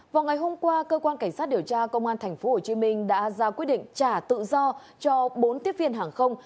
vào ngày hôm qua cơ quan cảnh sát điều tra công an tp hcm đã ra quyết định trả tự do cho bốn tiếp viên hàng không